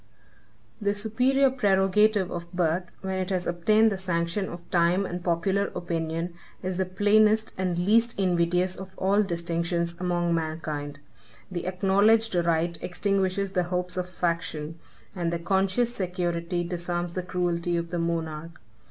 The superior prerogative of birth, when it has obtained the sanction of time and popular opinion, is the plainest and least invidious of all distinctions among mankind. The acknowledged right extinguishes the hopes of faction, and the conscious security disarms the cruelty of the monarch.